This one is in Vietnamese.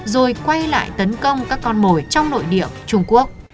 rồi quay lại tấn công các con mồi trong nội địa trung quốc